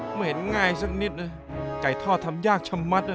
ไม่เห็นง่ายสักนิดไก่ทอดทำยากชะมัด